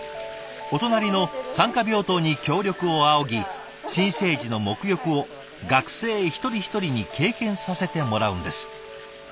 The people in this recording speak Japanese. お隣の産科病棟に協力を仰ぎ新生児のもく浴を学生一人一人に経験させてもらうんです。